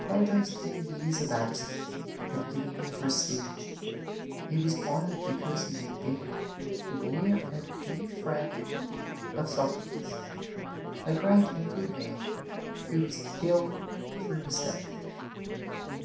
Plato's ten years of absence had given him prestige. He was honored because he had been the near and dear friend of Socrates, a great and good man who was killed through mistake.